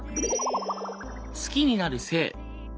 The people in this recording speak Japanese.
「好きになる性」。